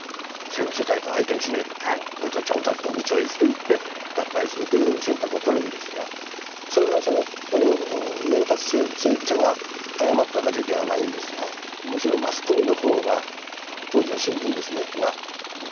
「世界と相手にしねえ」と「俺たちは俺たちの道を行く」といって脱退するという選択を取るんですがそれを何も上に立つ政治家が誤っただけではないんですがむしろマスコミの方が当時の新聞が「脱退せよ」と。